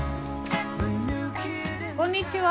こんにちは！